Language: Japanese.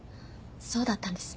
そうだったんですね。